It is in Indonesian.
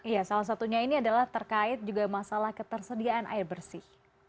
iya salah satunya ini adalah terkait juga masalah ketersediaan air bersih